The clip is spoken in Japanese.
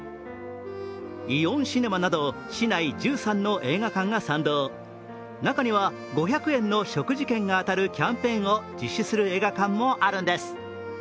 イオンシネマなど市内１３の映画館が賛同中には５００円の食事券が当たるキャンペーンを実施する映画館もあるんです。